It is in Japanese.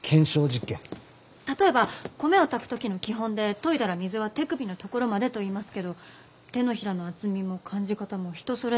例えば米を炊く時の基本で「研いだら水は手首のところまで」といいますけど手のひらの厚みも感じ方も人それぞれ。